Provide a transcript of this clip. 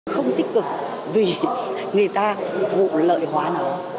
không tích cực vì người ta vụ lợi hóa nó